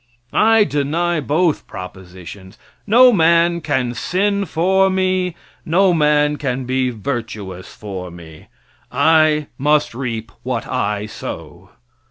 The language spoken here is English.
I deny both propositions. No man can sin for me; no man can be virtuous for me; I must reap what I sow.